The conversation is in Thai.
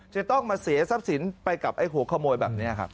จะต้องมาเสียทรัพย์สินไปกับไอ้หัวขโมยแบบนี้ครับ